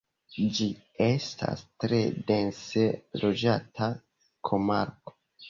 Ĝi estas tre dense loĝata komarko.